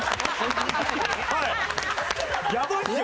やばいですよね？